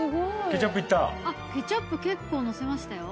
ケチャップ結構載せましたよ。